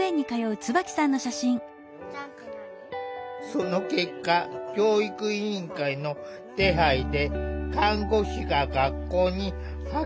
その結果教育委員会の手配で看護師が学校に派遣されることになった。